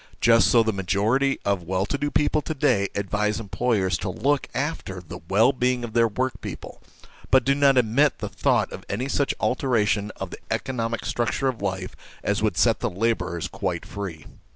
59 60 THE SLAVERY OF OUR TIMES the majority of well to do people to day advise employers to look after the well being of their workpeople, but do not admit the thought of any such alteration of the economic struc ture of life as would set the labourers quite free.